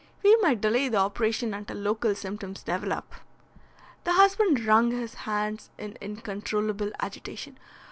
"We might delay the operation until local symptoms develop." The husband wrung his hands in incontrollable agitation.